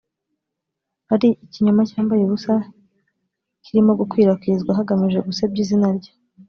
ari ikinyoma cyambaye ubusa kirimo gukwirakwizwa hagamijwe gusebya izina rye